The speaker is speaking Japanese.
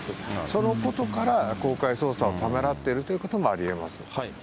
そのことから、公開捜査をためらっているということもありえます。